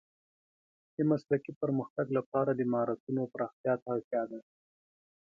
د مسلکي پرمختګ لپاره د مهارتونو پراختیا ته اړتیا ده.